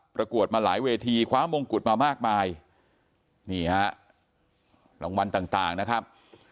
ประกวดมาหลายเวทีคว้ามงกุฎมามากมายนี่ฮะรางวัลต่างนะครับ